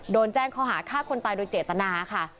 โดนแจ้งข้อหาฆ่าคนตายโดยเจตนาค่ะ